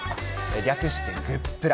略してグップラ。